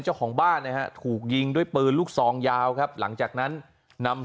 เจ้าของบ้านนะฮะถูกยิงด้วยปืนลูกซองยาวครับหลังจากนั้นนำ